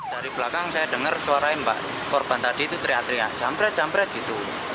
dari belakang saya dengar suara mbak korban tadi itu triatria jamret jamret gitu